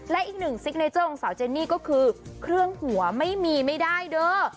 และอีกหนึ่งซิกเนเจอร์ของสาวเจนนี่ก็คือเครื่องหัวไม่มีไม่ได้เด้อ